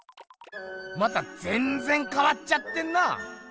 またぜんぜんかわっちゃってんなぁ！